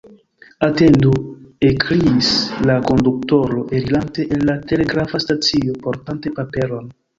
« Atendu! »ekkriis la konduktoro, elirante el la telegrafa stacio, portante paperon.